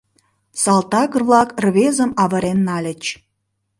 Салтак-влак рвезым авырен нальыч.